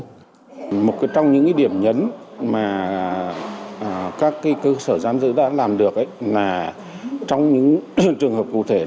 là một trong những phạm nhân vào trại chấp hành án khi đang mang thai